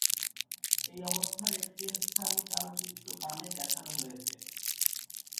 এই অবস্থার একটি স্থান-কাল চিত্র বামে দেখানো হয়েছে।